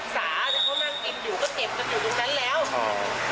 โทษของ